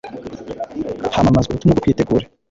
hamamazwa ubutumwa bwo kwitegura